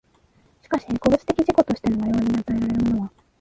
しかし個物的自己としての我々に与えられるものは、